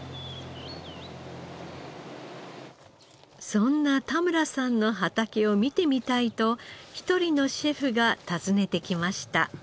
そんな田村さんの畑を見てみたいと１人のシェフが訪ねてきました。